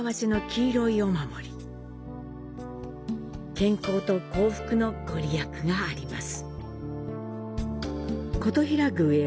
健康と幸福の御利益があります。